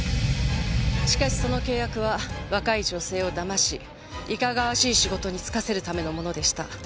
しかしその契約は若い女性をだましいかがわしい仕事に就かせるためのものでした。